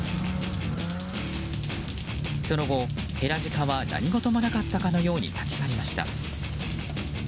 その後、ヘラジカは何事もなかったかのように立ち去りました。